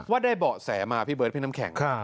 ได้เบาะแสมาพี่เบิร์ดพี่น้ำแข็ง